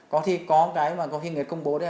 có khi có cái mà có khi người ta công bố